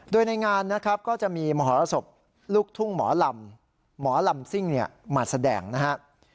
โดยในงานก็จะมีหมอศพลูกทุ่งหมอลำหมอลำซิ่งมาแสดงนะฮะ